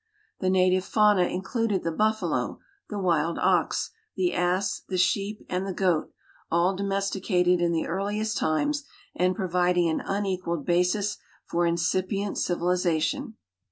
The native fauna included the buffalo, the wild ox, the ass, the sheep, ami the goat, all domesticated in the earliest times and providing an un equaled basis for incipient civilization.